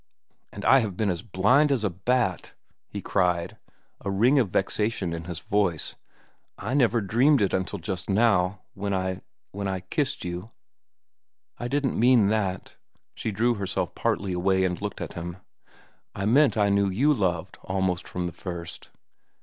"And I have been as blind as a bat!" he cried, a ring of vexation in his voice. "I never dreamed it until just how, when I—when I kissed you." "I didn't mean that." She drew herself partly away and looked at him. "I meant I knew you loved almost from the first."